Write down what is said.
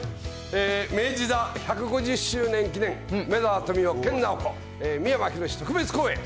明治座１５０周年記念、梅沢富美男、研ナオコ、三山ひろし特別公演。